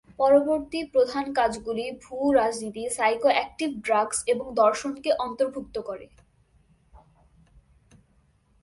পরবর্তী প্রধান কাজগুলি ভূ-রাজনীতি, সাইকোঅ্যাক্টিভ ড্রাগস এবং দর্শনকে অন্তর্ভুক্ত করে।